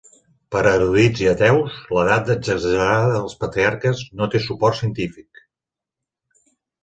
Per a erudits i ateus, l'edat exagerada dels patriarques no té suport científic.